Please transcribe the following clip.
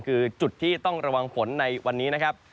คือจุดที่ต้องระวังฝนในวันนี้นะครับ